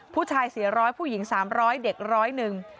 ผู้ชาย๔๐๐ผู้หญิง๓๐๐เด็กร้อยหนึ่ง